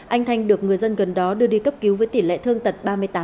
anh thanh được người dân gần đó đưa đi cấp cứu với tỷ lệ thương tật ba mươi tám